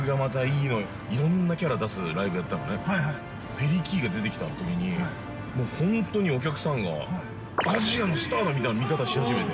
ペリー・キーが出てきたときに本当に、お客さんがアジアのスターだみたいな見方し始めて。